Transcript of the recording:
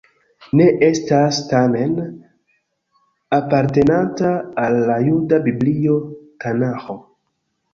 Ne estas, tamen, apartenanta al la juda Biblio Tanaĥo.